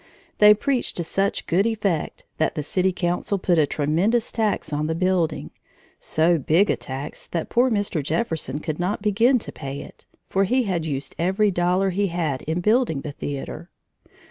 They preached to such good effect that the city council put a tremendous tax on the building, so big a tax that poor Mr. Jefferson could not begin to pay it, for he had used every dollar he had in building the theater.